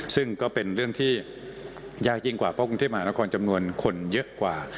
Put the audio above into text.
ซึ่งก็เป็นเรื่องที่ยากยิ่งกว่าเพราะกรุงเทพมหานครจำนวนคนเยอะกว่า